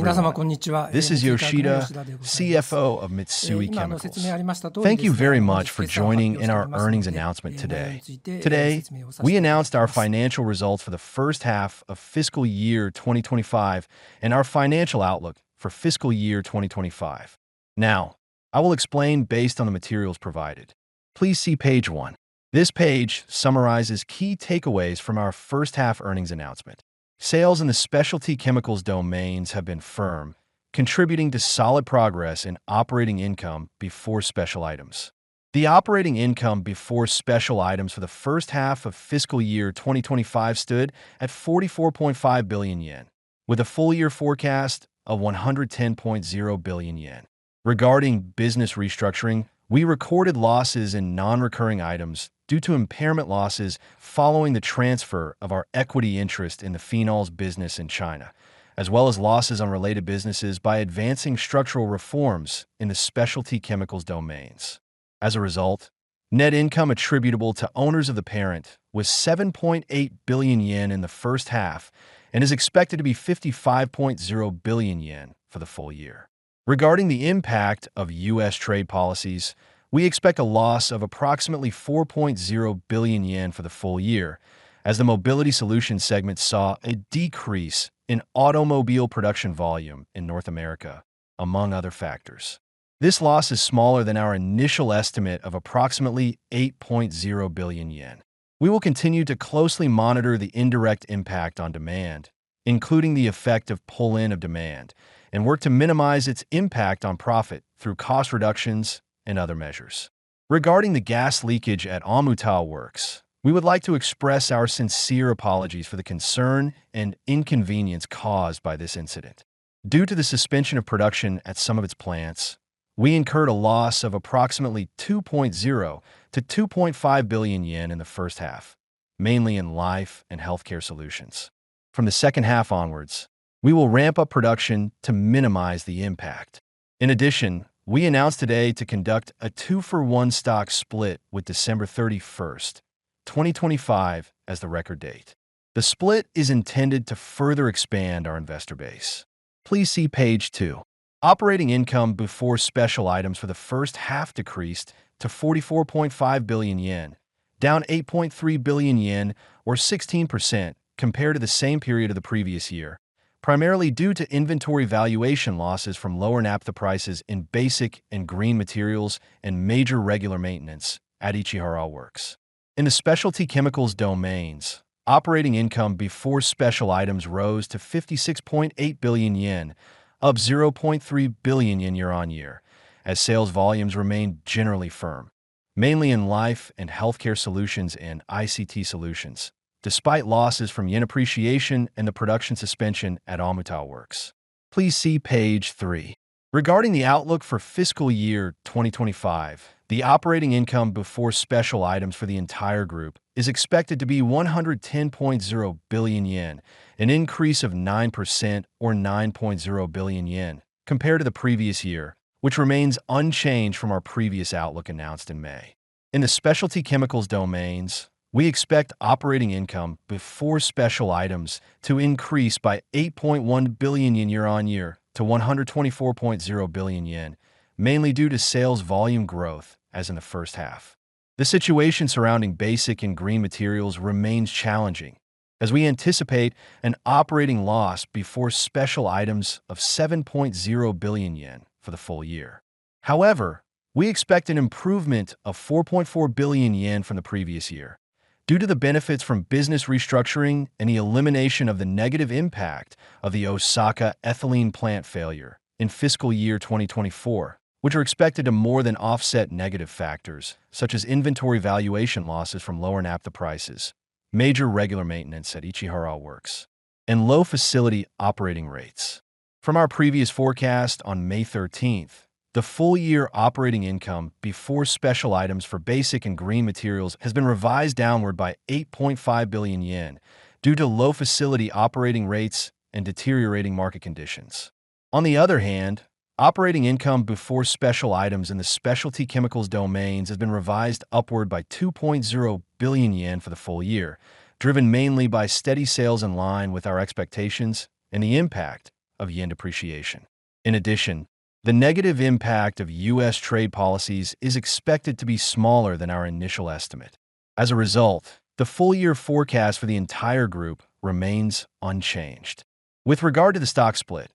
Hello, everyone. This is Yoshida, CFO of Mitsui Chemicals. Thank you very much for joining in our earnings announcement today. Today, we announced our financial results for the first half of fiscal year 2025 and our financial outlook for fiscal year 2025. Now, I will explain based on the materials provided. Please see page one. This page summarizes key takeaways from our first-half earnings announcement. Sales in the specialty chemicals domains have been firm, contributing to solid progress in operating income before special items. The operating income before special items for the first half of fiscal year 2025 stood at 44.5 billion yen, with a full-year forecast of 110.0 billion yen. Regarding business restructuring, we recorded losses in non-recurring items due to impairment losses following the transfer of our equity interest in the phenol business in China, as well as losses on related businesses by advancing structural reforms in the specialty chemicals domains. As a result, net income attributable to owners of the parent was 7.8 billion yen in the first half and is expected to be 55.0 billion yen for the full year. Regarding the impact of U.S. trade policies, we expect a loss of approximately 4.0 billion yen for the full year, as the mobility solution segment saw a decrease in automobile production volume in North America, among other factors. This loss is smaller than our initial estimate of approximately 8.0 billion yen. We will continue to closely monitor the indirect impact on demand, including the effect of pull-in of demand, and work to minimize its impact on profit through cost reductions and other measures. Regarding the gas leakage at Omuta Works, we would like to express our sincere apologies for the concern and inconvenience caused by this incident. Due to the suspension of production at some of its plants, we incurred a loss of approximately 2.0 billion-2.5 billion yen in the first half, mainly in life and healthcare solutions. From the second half onwards, we will ramp up production to minimize the impact. In addition, we announced today to conduct a two-for-one stock split with December 31st, 2025 as the record date. The split is intended to further expand our investor base. Please see page two. Operating income before special items for the first half decreased to 44.5 billion yen, down 8.3 billion yen, or 16% compared to the same period of the previous year, primarily due to inventory valuation losses from lower naphtha prices in basic and green materials and major regular maintenance at Ichihara Works. In the specialty chemicals domains, operating income before special items rose to 56.8 billion yen, up 0.3 billion yen year-on-year, as sales volumes remained generally firm, mainly in life and healthcare solutions and ICT solutions, despite losses from yen appreciation and the production suspension at Omuta Works. Please see page three. Regarding the outlook for fiscal year 2025, the operating income before special items for the entire group is expected to be 110.0 billion yen, an increase of 9% or 9.0 billion yen, compared to the previous year, which remains unchanged from our previous outlook announced in May. In the specialty chemicals domains, we expect operating income before special items to increase by 8.1 billion yen year-on-year to 124.0 billion yen, mainly due to sales volume growth as in the first half. The situation surrounding basic and green materials remains challenging, as we anticipate an operating loss before special items of 7.0 billion yen for the full year. However, we expect an improvement of 4.4 billion yen from the previous year, due to the benefits from business restructuring and the elimination of the negative impact of the Osaka Ethylene plant failure in fiscal year 2024, which are expected to more than offset negative factors such as inventory valuation losses from lower naphtha prices, major regular maintenance at Ichihara Works, and low facility operating rates. From our previous forecast on May 13, the full-year operating income before special items for basic and green materials has been revised downward by 8.5 billion yen due to low facility operating rates and deteriorating market conditions. On the other hand, operating income before special items in the specialty chemicals domains has been revised upward by 2.0 billion yen for the full year, driven mainly by steady sales in line with our expectations and the impact of yen depreciation. In addition, the negative impact of U.S. trade policies is expected to be smaller than our initial estimate. As a result, the full-year forecast for the entire group remains unchanged. With regard to the stock split,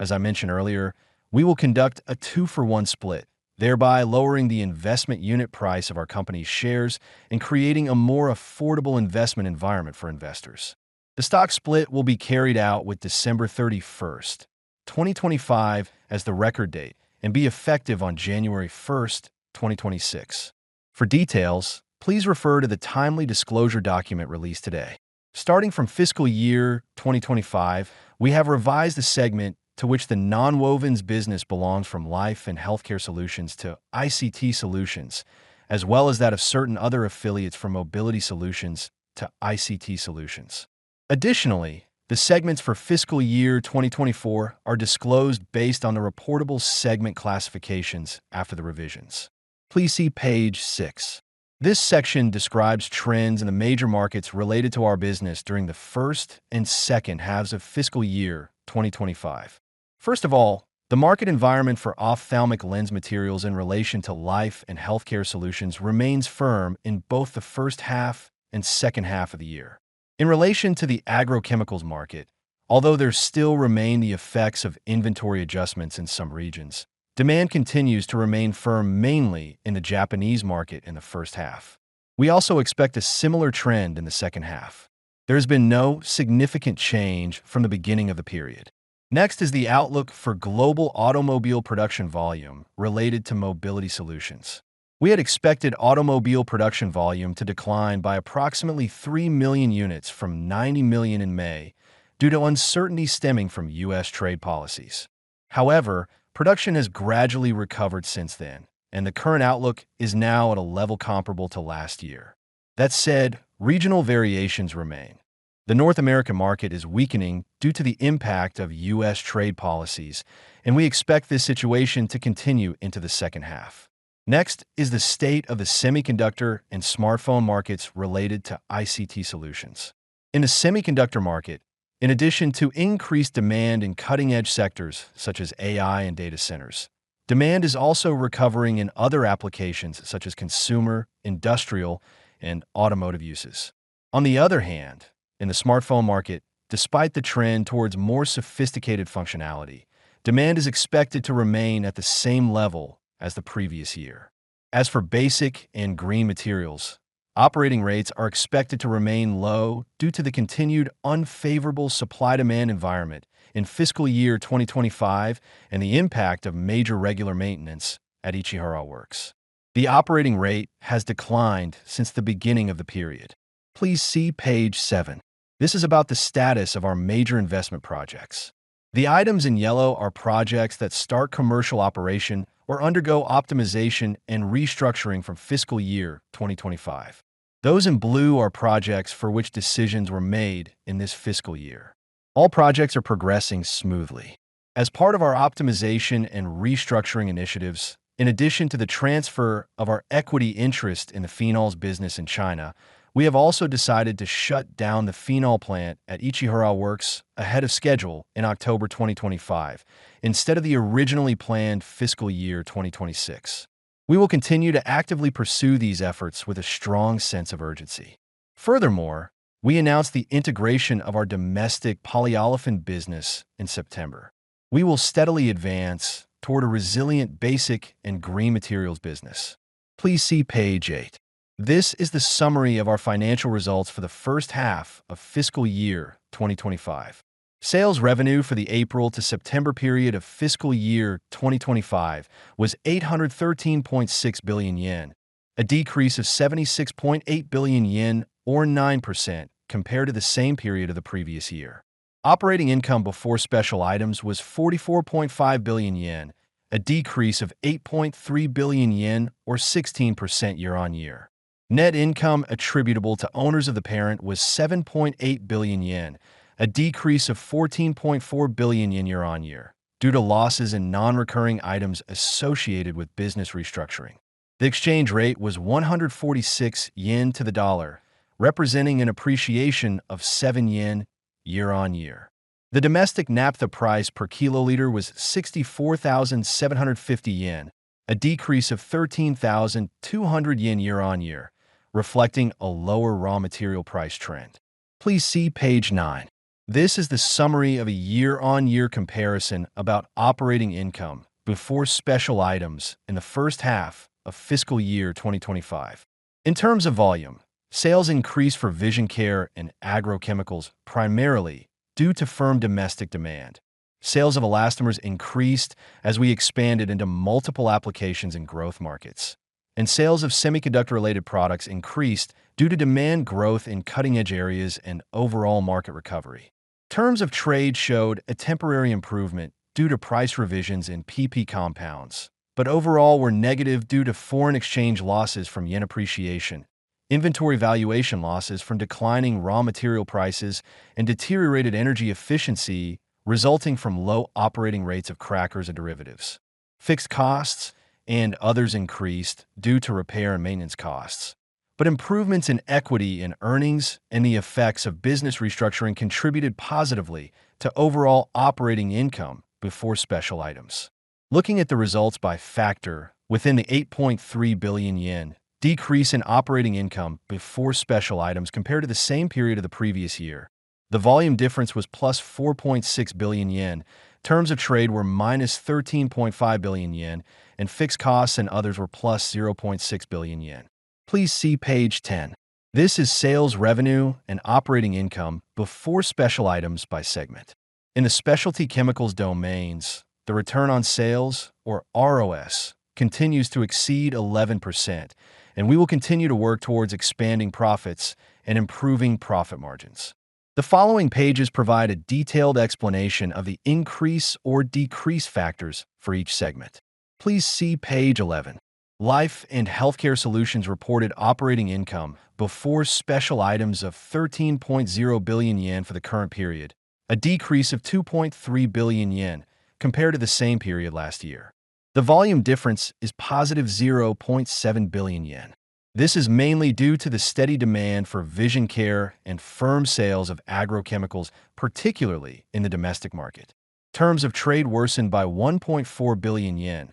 as I mentioned earlier, we will conduct a two-for-one split, thereby lowering the investment unit price of our company's shares and creating a more affordable investment environment for investors. The stock split will be carried out with December 31st, 2025 as the record date and be effective on January 1st, 2026. For details, please refer to the timely disclosure document released today. Starting from fiscal year 2025, we have revised the segment to which the non-wovens business belongs from life and healthcare solutions to ICT solutions, as well as that of certain other affiliates from mobility solutions to ICT solutions. Additionally, the segments for fiscal year 2024 are disclosed based on the reportable segment classifications after the revisions. Please see page six. This section describes trends in the major markets related to our business during the first and second halves of fiscal year 2025. First of all, the market environment for ophthalmic lens materials in relation to life and healthcare solutions remains firm in both the first half and second half of the year. In relation to the agrochemicals market, although there still remain the effects of inventory adjustments in some regions, demand continues to remain firm mainly in the Japanese market in the first half. We also expect a similar trend in the second half. There has been no significant change from the beginning of the period. Next is the outlook for global automobile production volume related to mobility solutions. We had expected automobile production volume to decline by approximately 3 million units from 90 million in May due to uncertainty stemming from U.S. trade policies. However, production has gradually recovered since then, and the current outlook is now at a level comparable to last year. That said, regional variations remain. The North American market is weakening due to the impact of U.S. trade policies, and we expect this situation to continue into the second half. Next is the state of the semiconductor and smartphone markets related to ICT solutions. In the semiconductor market, in addition to increased demand in cutting-edge sectors such as AI and data centers, demand is also recovering in other applications such as consumer, industrial, and automotive uses. On the other hand, in the smartphone market, despite the trend towards more sophisticated functionality, demand is expected to remain at the same level as the previous year. As for basic and green materials, operating rates are expected to remain low due to the continued unfavorable supply-demand environment in fiscal year 2025 and the impact of major regular maintenance at Ichihara Works. The operating rate has declined since the beginning of the period. Please see page seven. This is about the status of our major investment projects. The items in yellow are projects that start commercial operation or undergo optimization and restructuring from fiscal year 2025. Those in blue are projects for which decisions were made in this fiscal year. All projects are progressing smoothly. As part of our optimization and restructuring initiatives, in addition to the transfer of our equity interest in the phenol business in China, we have also decided to shut down the phenol plant at Ichihara Works ahead of schedule in October 2025, instead of the originally planned fiscal year 2026. We will continue to actively pursue these efforts with a strong sense of urgency. Furthermore, we announced the integration of our domestic polyolefin business in September. We will steadily advance toward a resilient basic and green materials business. Please see page eight. This is the summary of our financial results for the first half of fiscal year 2025. Sales revenue for the April to September period of fiscal year 2025 was 813.6 billion yen, a decrease of 76.8 billion yen, or 9% compared to the same period of the previous year. Operating income before special items was 44.5 billion yen, a decrease of 8.3 billion yen, or 16% year-on-year. Net income attributable to owners of the parent was 7.8 billion yen, a decrease of 14.4 billion yen year-on-year, due to losses in non-recurring items associated with business restructuring. The exchange rate was 146 yen to the dollar, representing an appreciation of 7 yen year-on-year. The domestic naphtha price per kiloliter was 64,750 yen, a decrease of 13,200 yen year-on-year, reflecting a lower raw material price trend. Please see page nine. This is the summary of a year-on-year comparison about operating income before special items in the first half of fiscal year 2025. In terms of volume, sales increased for vision care and agrochemicals primarily due to firm domestic demand. Sales of elastomers increased as we expanded into multiple applications in growth markets, and sales of semiconductor-related products increased due to demand growth in cutting-edge areas and overall market recovery. Terms of trade showed a temporary improvement due to price revisions in PP compounds, but overall were negative due to foreign exchange losses from yen appreciation, inventory valuation losses from declining raw material prices, and deteriorated energy efficiency resulting from low operating rates of crackers and derivatives. Fixed costs and others increased due to repair and maintenance costs, but improvements in equity in earnings and the effects of business restructuring contributed positively to overall operating income before special items. Looking at the results by factor within the 8.3 billion yen decrease in operating income before special items compared to the same period of the previous year, the volume difference was plus 4.6 billion yen, terms of trade were minus 13.5 billion yen, and fixed costs and others were plus 0.6 billion yen. Please see page ten. This is sales revenue and operating income before special items by segment. In the specialty chemicals domains, the return on sales, or ROS, continues to exceed 11%, and we will continue to work towards expanding profits and improving profit margins. The following pages provide a detailed explanation of the increase or decrease factors for each segment. Please see page 11. Life and healthcare solutions reported operating income before special items of 13.0 billion yen for the current period, a decrease of 2.3 billion yen compared to the same period last year. The volume difference is positive 0.7 billion yen. This is mainly due to the steady demand for vision care and firm sales of agrochemicals, particularly in the domestic market. Terms of trade worsened by 1.4 billion yen due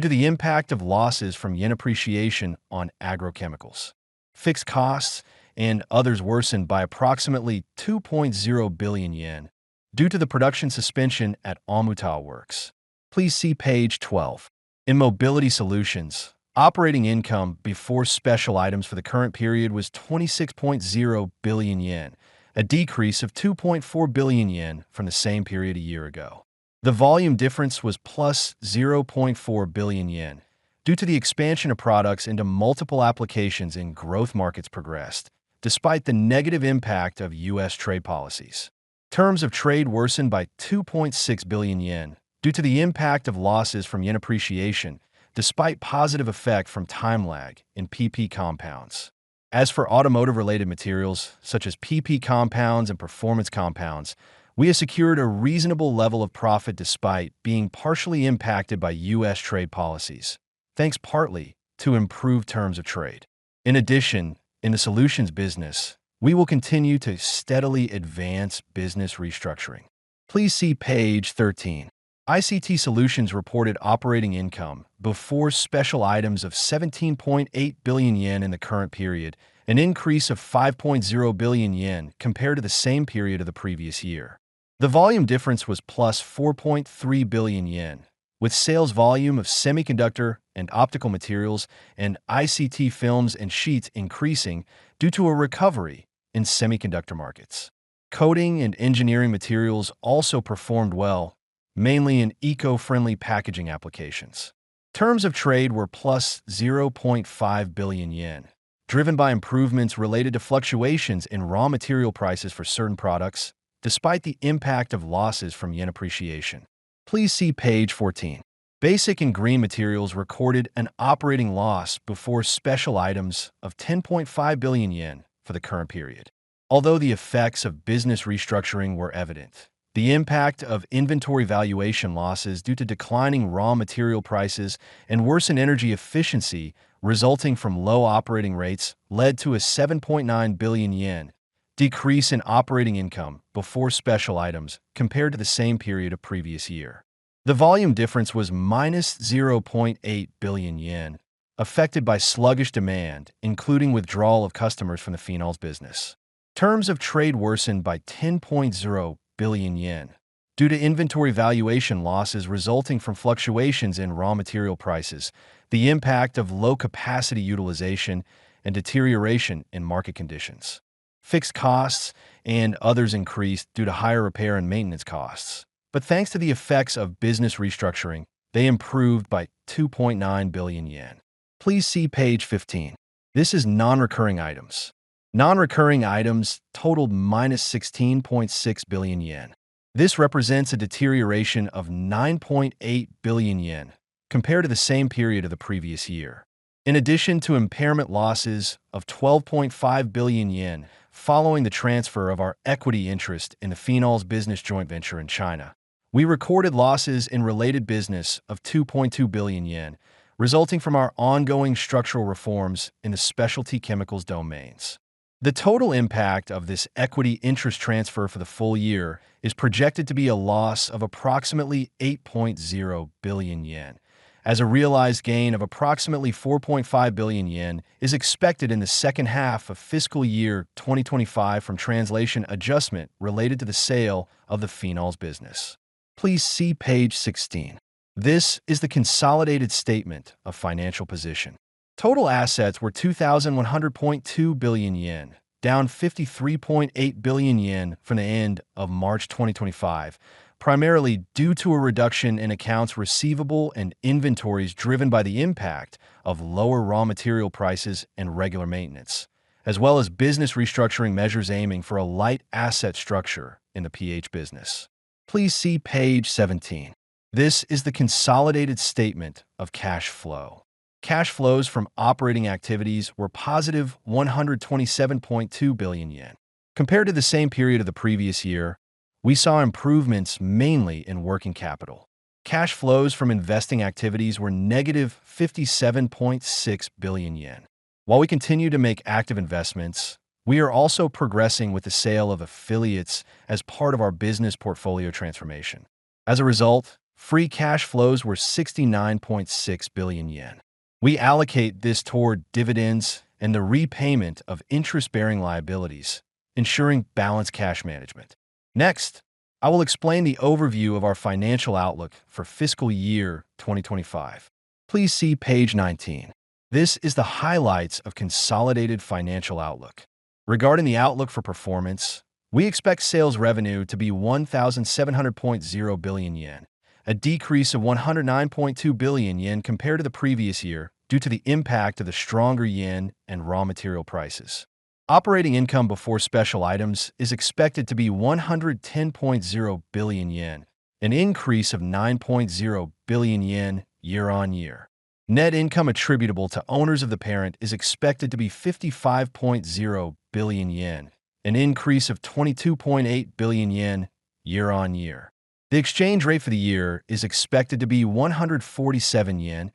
to the impact of losses from yen appreciation on agrochemicals. Fixed costs and others worsened by approximately 2.0 billion yen due to the production suspension at Omuta Works. Please see page 12. In mobility solutions, operating income before special items for the current period was 26.0 billion yen, a decrease of 2.4 billion yen from the same period a year ago. The volume difference was plus 0.4 billion yen due to the expansion of products into multiple applications in growth markets progressed, despite the negative impact of U.S. trade policies. Terms of trade worsened by 2.6 billion yen due to the impact of losses from yen appreciation, despite positive effect from time lag in PP compounds. As for automotive-related materials such as PP compounds and performance compounds, we have secured a reasonable level of profit despite being partially impacted by U.S. trade policies, thanks partly to improved terms of trade. In addition, in the solutions business, we will continue to steadily advance business restructuring. Please see page 13. ICT solutions reported operating income before special items of 17.8 billion yen in the current period, an increase of 5.0 billion yen compared to the same period of the previous year. The volume difference was plus 4.3 billion yen, with sales volume of semiconductor and optical materials and ICT films and sheets increasing due to a recovery in semiconductor markets. Coating and engineering materials also performed well, mainly in eco-friendly packaging applications. Terms of trade were plus 0.5 billion yen, driven by improvements related to fluctuations in raw material prices for certain products, despite the impact of losses from yen appreciation. Please see page 14. Basic and green materials recorded an operating loss before special items of 10.5 billion yen for the current period. Although the effects of business restructuring were evident, the impact of inventory valuation losses due to declining raw material prices and worsened energy efficiency resulting from low operating rates led to a 7.9 billion yen decrease in operating income before special items compared to the same period of previous year. The volume difference was minus 0.8 billion yen, affected by sluggish demand, including withdrawal of customers from the phenol business. Terms of trade worsened by 10.0 billion yen due to inventory valuation losses resulting from fluctuations in raw material prices, the impact of low capacity utilization, and deterioration in market conditions. Fixed costs and others increased due to higher repair and maintenance costs, but thanks to the effects of business restructuring, they improved by 2.9 billion yen. Please see page 15. This is non-recurring items. Non-recurring items totaled minus 16.6 billion yen. This represents a deterioration of 9.8 billion yen compared to the same period of the previous year. In addition to impairment losses of 12.5 billion yen following the transfer of our equity interest in the phenol business joint venture in China, we recorded losses in related business of 2.2 billion yen resulting from our ongoing structural reforms in the specialty chemicals domains. The total impact of this equity interest transfer for the full year is projected to be a loss of approximately 8.0 billion yen, as a realized gain of approximately 4.5 billion yen is expected in the second half of fiscal year 2025 from translation adjustment related to the sale of the phenol business. Please see page 16. This is the consolidated statement of financial position. Total assets were 2,100.2 billion yen, down 53.8 billion yen from the end of March 2025, primarily due to a reduction in accounts receivable and inventories driven by the impact of lower raw material prices and regular maintenance, as well as business restructuring measures aiming for a light asset structure in the phenol business. Please see page 17. This is the consolidated statement of cash flow. Cash flows from operating activities were positive 127.2 billion yen. Compared to the same period of the previous year, we saw improvements mainly in working capital. Cash flows from investing activities were negative 57.6 billion yen. While we continue to make active investments, we are also progressing with the sale of affiliates as part of our business portfolio transformation. As a result, free cash flows were 69.6 billion yen. We allocate this toward dividends and the repayment of interest-bearing liabilities, ensuring balanced cash management. Next, I will explain the overview of our financial outlook for fiscal year 2025. Please see page 19. This is the highlights of consolidated financial outlook. Regarding the outlook for performance, we expect sales revenue to be 1,700.0 billion yen, a decrease of 109.2 billion yen compared to the previous year due to the impact of the stronger yen and raw material prices. Operating income before special items is expected to be 110.0 billion yen, an increase of 9.0 billion yen year-on-year. Net income attributable to owners of the parent is expected to be 55.0 billion yen, an increase of 22.8 billion yen year-on-year. The exchange rate for the year is expected to be 147 yen,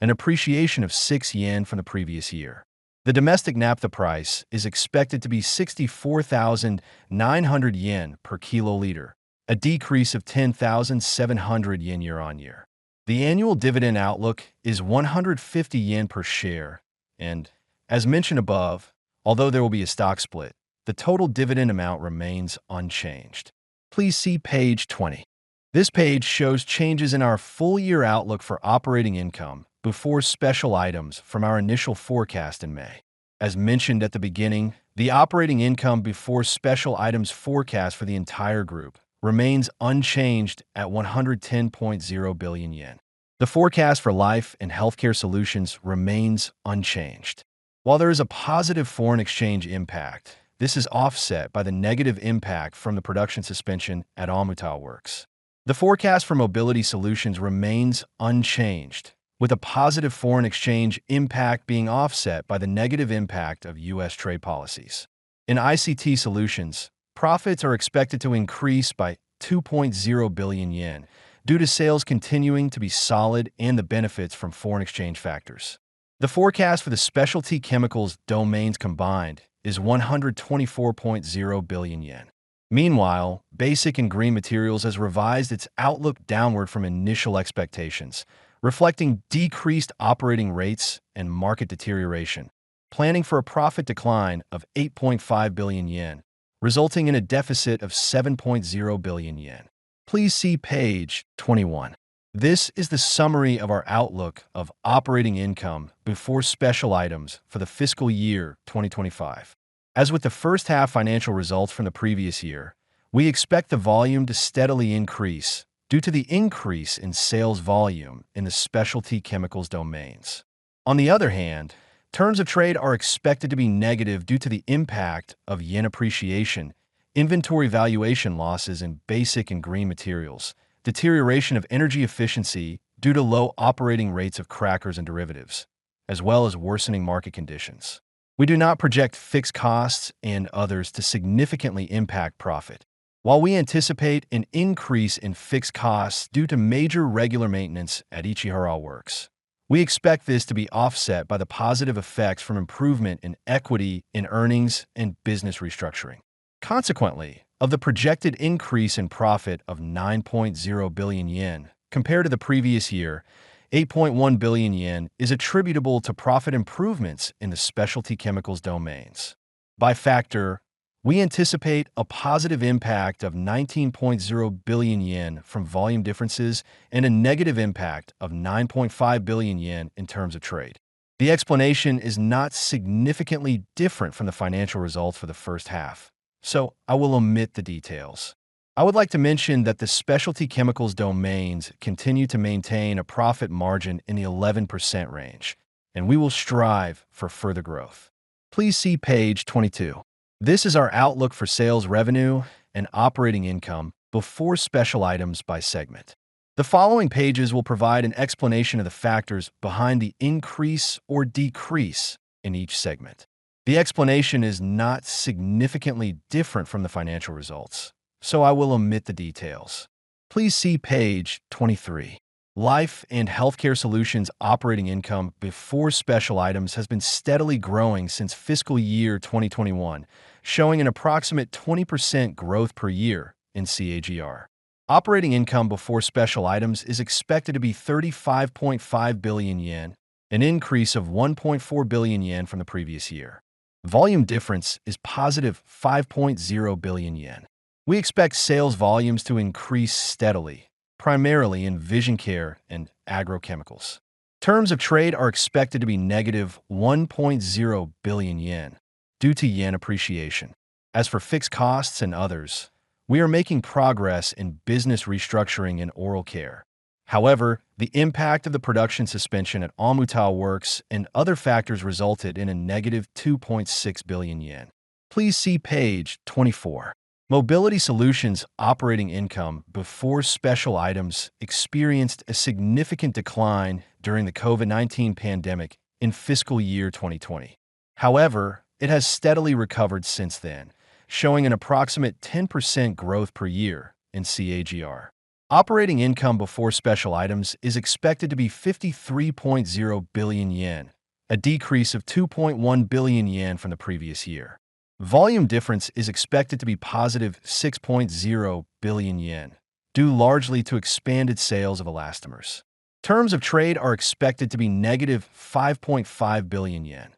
an appreciation of 6 yen from the previous year. The domestic naphtha price is expected to be 64,900 yen per kiloliter, a decrease of 10,700 yen year-on-year. The annual dividend outlook is 150 yen per share and, as mentioned above, although there will be a stock split, the total dividend amount remains unchanged. Please see page 20. This page shows changes in our full year outlook for operating income before special items from our initial forecast in May. As mentioned at the beginning, the operating income before special items forecast for the entire group remains unchanged at 110.0 billion yen. The forecast for life and healthcare solutions remains unchanged. While there is a positive foreign exchange impact, this is offset by the negative impact from the production suspension at Omuta Works. The forecast for mobility solutions remains unchanged, with a positive foreign exchange impact being offset by the negative impact of U.S. trade policies. In ICT solutions, profits are expected to increase by 2.0 billion yen due to sales continuing to be solid and the benefits from foreign exchange factors. The forecast for the specialty chemicals domains combined is 124.0 billion yen. Meanwhile, basic and green materials has revised its outlook downward from initial expectations, reflecting decreased operating rates and market deterioration, planning for a profit decline of 8.5 billion yen, resulting in a deficit of 7.0 billion yen. Please see page 21. This is the summary of our outlook of operating income before special items for the fiscal year 2025. As with the first half financial results from the previous year, we expect the volume to steadily increase due to the increase in sales volume in the specialty chemicals domains. On the other hand, terms of trade are expected to be negative due to the impact of yen appreciation, inventory valuation losses in basic and green materials, deterioration of energy efficiency due to low operating rates of crackers and derivatives, as well as worsening market conditions. We do not project fixed costs and others to significantly impact profit. While we anticipate an increase in fixed costs due to major regular maintenance at Ichihara Works, we expect this to be offset by the positive effects from improvement in equity in earnings and business restructuring. Consequently, of the projected increase in profit of 9.0 billion yen compared to the previous year, 8.1 billion yen is attributable to profit improvements in the specialty chemicals domains. By factor, we anticipate a positive impact of 19.0 billion yen from volume differences and a negative impact of 9.5 billion yen in terms of trade. The explanation is not significantly different from the financial results for the first half, so I will omit the details. I would like to mention that the specialty chemicals domains continue to maintain a profit margin in the 11% range, and we will strive for further growth. Please see page 22. This is our outlook for sales revenue and operating income before special items by segment. The following pages will provide an explanation of the factors behind the increase or decrease in each segment. The explanation is not significantly different from the financial results, so I will omit the details. Please see page 23. Life and healthcare solutions operating income before special items has been steadily growing since fiscal year 2021, showing an approximate 20% growth per year in CAGR. Operating income before special items is expected to be 35.5 billion yen, an increase of 1.4 billion yen from the previous year. Volume difference is positive 5.0 billion yen. We expect sales volumes to increase steadily, primarily in vision care and agrochemicals. Terms of trade are expected to be negative 1.0 billion yen due to yen appreciation. As for fixed costs and others, we are making progress in business restructuring in oral care. However, the impact of the production suspension at Omuta Works and other factors resulted in a -2.6 billion yen. Please see page 24. Mobility solutions operating income before special items experienced a significant decline during the COVID-19 pandemic in fiscal year 2020. However, it has steadily recovered since then, showing an approximate 10% growth per year in CAGR. Operating income before special items is expected to be 53.0 billion yen, a decrease of 2.1 billion yen from the previous year. Volume difference is expected to be +6.0 billion yen, due largely to expanded sales of elastomers. Terms of trade are expected to be -5.5 billion yen,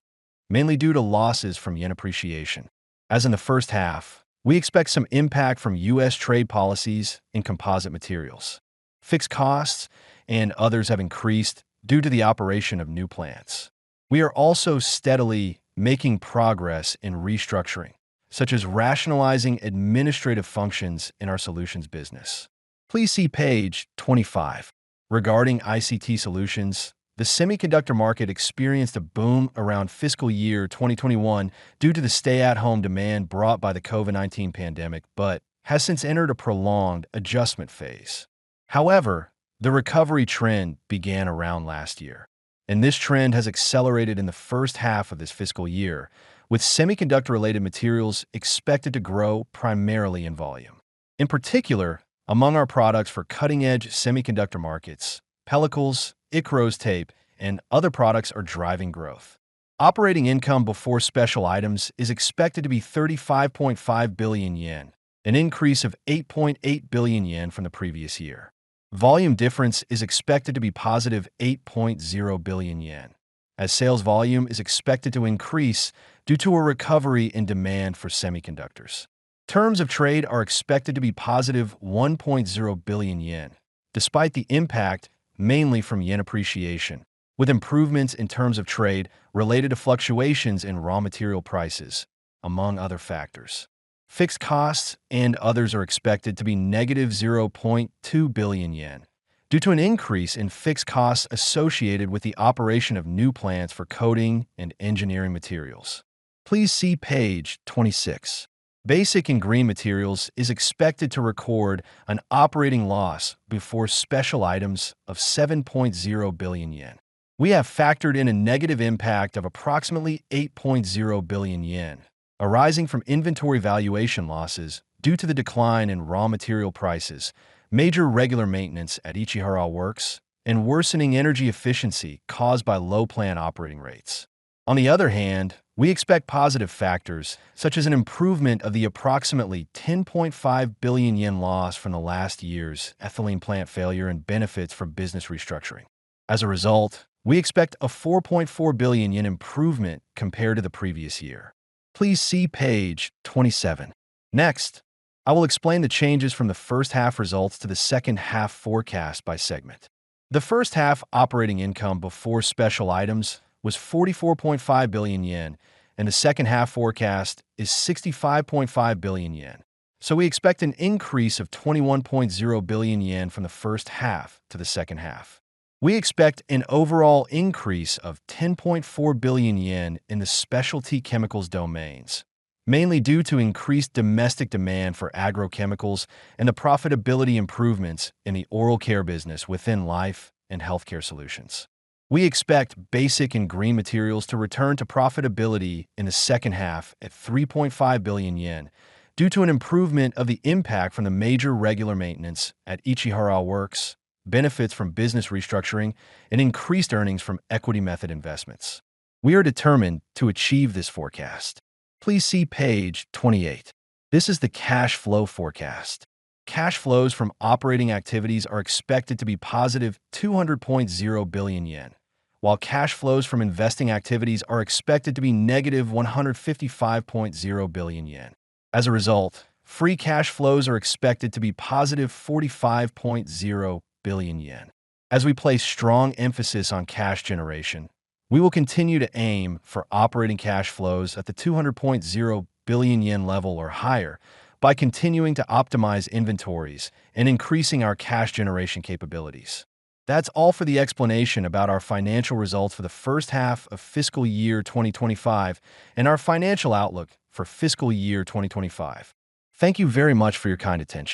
mainly due to losses from yen appreciation. As in the first half, we expect some impact from U.S. trade policies in composite materials. Fixed costs and others have increased due to the operation of new plants. We are also steadily making progress in restructuring, such as rationalizing administrative functions in our solutions business. Please see page 25. Regarding ICT solutions, the semiconductor market experienced a boom around fiscal year 2021 due to the stay-at-home demand brought by the COVID-19 pandemic but has since entered a prolonged adjustment phase. However, the recovery trend began around last year, and this trend has accelerated in the first half of this fiscal year, with semiconductor-related materials expected to grow primarily in volume. In particular, among our products for cutting-edge semiconductor markets, pellicles, ICROS tape, and other products are driving growth. Operating income before special items is expected to be 35.5 billion yen, an increase of 8.8 billion yen from the previous year. Volume difference is expected to be +8.0 billion yen, as sales volume is expected to increase due to a recovery in demand for semiconductors. Terms of trade are expected to be +1.0 billion yen, despite the impact mainly from yen appreciation, with improvements in terms of trade related to fluctuations in raw material prices, among other factors. Fixed costs and others are expected to be -0.2 billion yen, due to an increase in fixed costs associated with the operation of new plants for coating and engineering materials. Please see page 26. Basic and green materials is expected to record an operating loss before special items of 7.0 billion yen. We have factored in a negative impact of approximately 8.0 billion yen, arising from inventory valuation losses due to the decline in raw material prices, major regular maintenance at Ichihara Works, and worsening energy efficiency caused by low plant operating rates. On the other hand, we expect positive factors such as an improvement of the approximately 10.5 billion yen loss from last year's ethylene plant failure and benefits from business restructuring. As a result, we expect a 4.4 billion yen improvement compared to the previous year. Please see page twenty-seven. Next, I will explain the changes from the first half results to the second half forecast by segment. The first half operating income before special items was 44.5 billion yen, and the second half forecast is 65.5 billion yen, so we expect an increase of 21.0 billion yen from the first half to the second half. We expect an overall increase of 10.4 billion yen in the specialty chemicals domains, mainly due to increased domestic demand for agrochemicals and the profitability improvements in the oral care business within life and healthcare solutions. We expect basic and green materials to return to profitability in the second half at 3.5 billion yen due to an improvement of the impact from the major regular maintenance at Ichihara Works, benefits from business restructuring, and increased earnings from equity method investments. We are determined to achieve this forecast. Please see page 28. This is the cash flow forecast. Cash flows from operating activities are expected to be +200.0 billion yen, while cash flows from investing activities are expected to be -155.0 billion yen. As a result, free cash flows are expected to be +45.0 billion yen. As we place strong emphasis on cash generation, we will continue to aim for operating cash flows at the 200.0 billion yen level or higher by continuing to optimize inventories and increasing our cash generation capabilities. That's all for the explanation about our financial results for the first half of fiscal year 2025 and our financial outlook for fiscal year 2025. Thank you very much for your kind attention.